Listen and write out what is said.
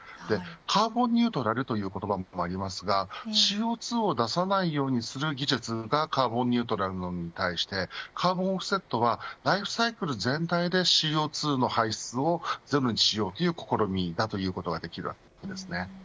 カーボンニュートラルという言葉もありますがＣＯ２を出さないようにする技術がカーボンニュートラルなのに対してカーボンオフセットはライフサイクル全体でＣＯ２の排出をゼロにしようという試みだということです。